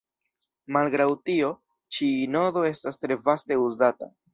Malgraŭ tio, ĉi nodo estas tre vaste uzata.